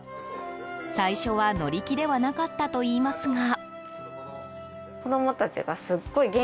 最初は乗り気ではなかったといいますが。